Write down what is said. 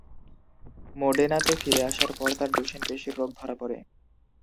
মোডেনাতে ফিরে আসার পর তার ডুশেন পেশীর রোগ ধরা পড়ে।